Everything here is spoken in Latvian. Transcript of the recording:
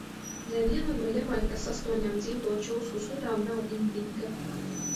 Neviena no Jamaikas astoņām dzimto čūsku sugām nav indīga.